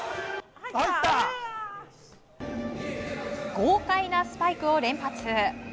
豪快なスパイクを連発。